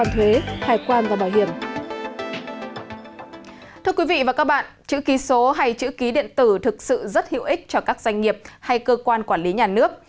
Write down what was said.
thưa quý vị và các bạn chữ ký số hay chữ ký điện tử thực sự rất hữu ích cho các doanh nghiệp hay cơ quan quản lý nhà nước